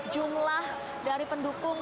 jumlah dari pendukung